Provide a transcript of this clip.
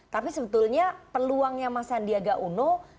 tapi sebetulnya peluangnya mas sandiaga uno itu tidak berubah